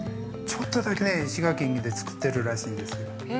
ちょっとだけね、滋賀県でつくってるらしいんです。